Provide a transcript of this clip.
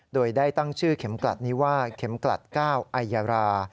โดยได้ตั้งชื่อเข็มกลัดนี้ว่าเข็มกลัด๙ไอยารา